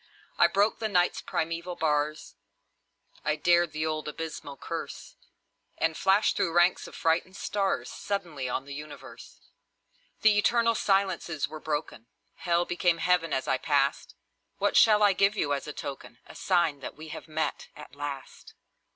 I broke the Night's primeval bars, I dared the old abysmal curse, And flashed through ranks of frightened stars Suddenly on the universe! The eternal silences were broken; Hell became Heaven as I passed. What shall I give you as a token, A sign that we have met, at last?